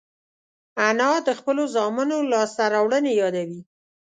انا د خپلو زامنو لاسته راوړنې یادوي